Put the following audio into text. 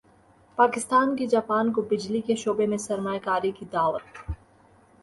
پاکستان کی جاپان کو بجلی کے شعبے میں سرمایہ کاری کی دعوت